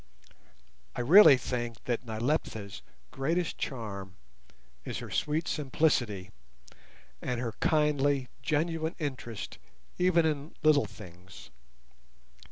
I really think that Nyleptha's greatest charm is her sweet simplicity, and her kindly genuine interest even in little things.